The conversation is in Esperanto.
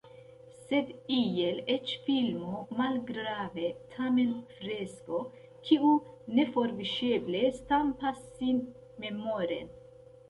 Sed iel eĉ filmo Mal-graŭe tamen fresko, kiu neforviŝeble stampas sin memoren.